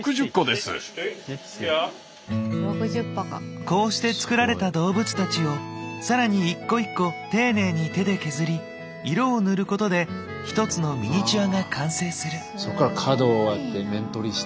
すごい！こうして作られた動物たちを更に一個一個丁寧に手で削り色を塗ることで一つのミニチュアが完成する。